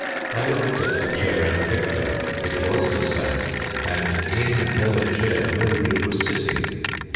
I looked at the chair in the picture. It was the same; and in her chair Mildred was sitting.